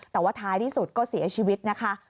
แต่ว่าท้ายที่สุดก็เสียชีวิตนะคะ